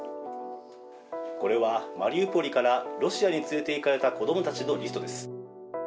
これはマリウポリからロシアに連れていかれた子供たちのリストです。